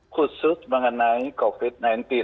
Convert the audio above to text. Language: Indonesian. khusus mengenai covid sembilan belas